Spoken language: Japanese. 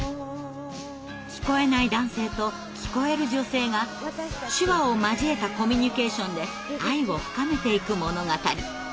聞こえない男性と聞こえる女性が手話を交えたコミュニケーションで愛を深めていく物語。